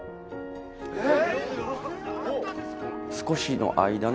えっ！？